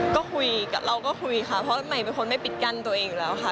ก็คุยเราก็คุยค่ะเพราะใหม่เป็นคนไม่ปิดกั้นตัวเองอยู่แล้วค่ะ